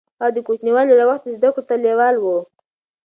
هغه د کوچنيوالي له وخته زده کړو ته لېواله و.